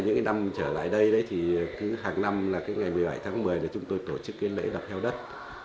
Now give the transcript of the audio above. những năm trở lại đây hàng năm ngày một mươi bảy tháng một mươi chúng tôi tổ chức lễ đập heo đất